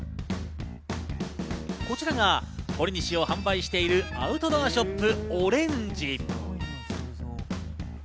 こちらがほりにしを販売しているアウトドアショップ